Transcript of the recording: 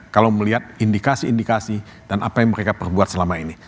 kalau melihat indikasi indikasi dan apa yang mereka perbuat selama ini